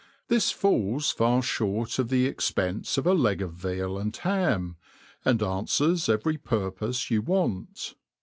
— r« This falls far Jhort of the exp^nce of a leg of veal and ham^ snd anfwers every purpofe you want.